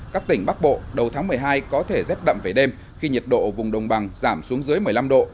các tỉnh bắc bộ đầu tháng một mươi hai có thể rét đậm về đêm khi nhiệt độ vùng đồng bằng giảm xuống dưới một mươi năm độ